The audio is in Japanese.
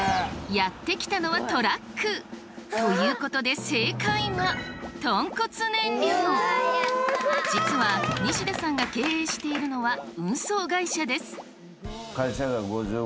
やって来たのはトラック！ということで正解は実は西田さんが経営しているのは運送会社です。